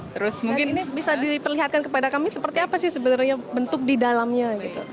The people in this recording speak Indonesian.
terus mungkin ini bisa diperlihatkan kepada kami seperti apa sih sebenarnya bentuk di dalamnya